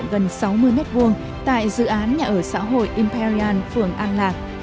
căn hộ gần sáu mươi m hai tại dự án nhà ở xã hội imperian phường an lạc